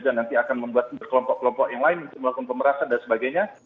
dan nanti akan membuat kelompok kelompok yang lain melakukan pemerasaan dan sebagainya